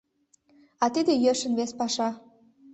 А тиде йӧршын вес паша.